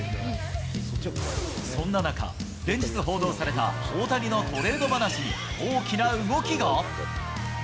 そんな中、連日報道された大谷のトレード話に、大きな動きが？